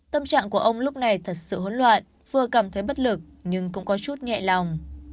tâm trạng của ông lúc này thật sự hỗn loạn vừa cảm thấy bất lực nhưng cũng có chút nhẹ lòng